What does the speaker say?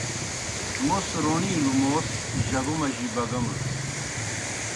موْس روݨِیلوْ موس جگو مجیْ بگَمَس۔